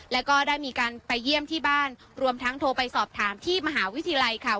แล้วก็ได้มีการไปเยี่ยมที่บ้านรวมทั้งโทรไปสอบถามที่มหาวิทยาลัยค่ะ